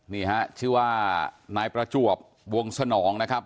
นี่ฮะชื่อว่านายประจวบวงสนองนะครับ